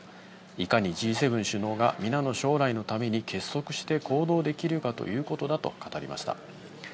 いかにＧ７首脳が皆の将来のために結束して行動できるかということだと語りました。